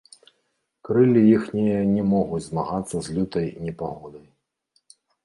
Крыллі іхнія не могуць змагацца з лютай непагодай.